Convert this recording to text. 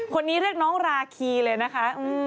คนนี้เรียกน้องราคีเลยนะคะ